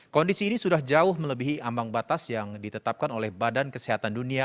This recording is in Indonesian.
kondisi ini sudah jauh melebihi ambang batas yang ditetapkan oleh badan kesehatan dunia